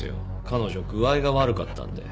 彼女具合が悪かったんで。